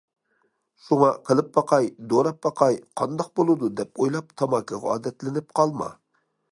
شۇڭا‹‹ قىلىپ باقاي، دوراپ باقاي، قانداق بولىدۇ›› دەپ ئويلاپ تاماكىغا ئادەتلىنىپ قالما.